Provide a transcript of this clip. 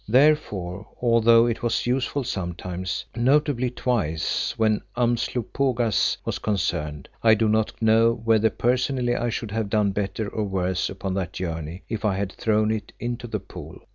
Therefore, although it was useful sometimes, notably twice when Umslopogaas was concerned, I do not know whether personally I should have done better or worse upon that journey if I had thrown it into the pool.